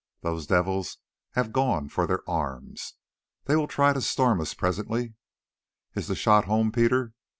"Those devils have gone for their arms. They will try to storm us presently. Is the shot home, Peter?